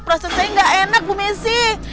proses saya gak enak bu messi